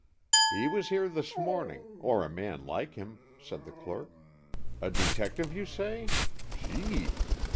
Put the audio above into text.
"He was here this morning, or a man like him," said the clerk. "A detective, you say. Gee!"